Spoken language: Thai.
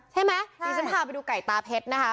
ใช่มั้ยนี่ฉันพาไปดูไก่ตาเพชรนะคะ